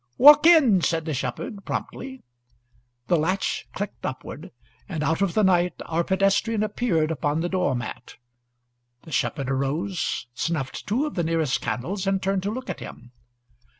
"Walk in!" said the shepherd, promptly. The latch clicked upward, and out of the night our pedestrian appeared upon the door mat. The shepherd arose, snuffed two of the nearest candies, and turned to look at him.